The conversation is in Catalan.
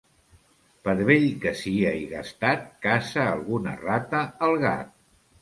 Per vell que sia i gastat, caça alguna rata el gat.